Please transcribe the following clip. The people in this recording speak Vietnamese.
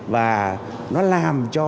và nó làm cho